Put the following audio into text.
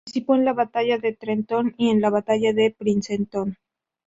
Participó en la Batalla de Trenton y en la Batalla de Princeton.